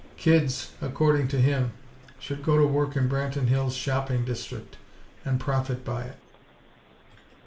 Kids, according to him, should go to work in Branton Hills' shopping district, and profit by it.